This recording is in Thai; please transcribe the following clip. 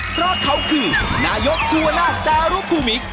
เพราะเขาคือนายกครัวหน้าจารุภูมิก